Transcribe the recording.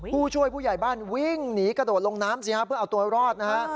ผู้ช่วยผู้ใหญ่บ้านวิ่งหนีกระโดดลงน้ำสิฮะเพื่อเอาตัวรอดนะฮะ